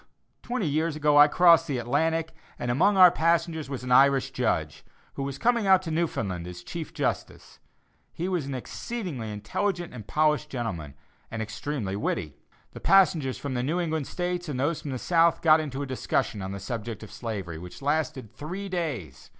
Twenty years ago I crossed the Atlantic, and among our passengers was an Irish judge, who was coming out to Newfoundland as chief justice. He was an exceedingly intelligent and polished gentleman, and extremely witty. The passengers from the New England States and those from the South got into a discussion on the subject of slavery, which lasted three days.